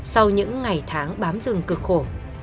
sau những ngày tháng bám rừng cực khổ